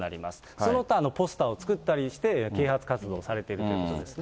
その他、ポスターを作って啓発活動をされているということですね。